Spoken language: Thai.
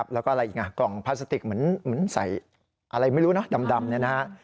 แล้วก็อะไรอีกกล่องพลาสติกเหมือนใส่อะไรไม่รู้นะดำเนี่ยนะฮะ